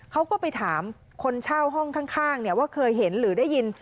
เขาก็ไปถามคนเช่าห้องข้างว่าเคยเห็นหรือได้ยิน